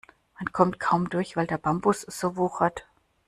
Man kommt kaum durch, weil der Bambus so wuchert.